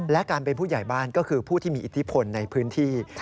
และการเป็นผู้ใหญ่บ้านก็คือผู้ที่มีอิทธิพลในพื้นที่